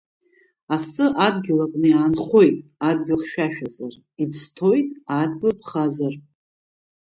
Асы адгьыл аҟны иаанхоит, адгьыл хьшәашәазар, иӡҭоит адгьыл ԥхазар.